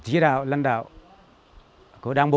có sự giới đạo lãnh đạo của đảng bộ đảng bộ đảng bộ đảng bộ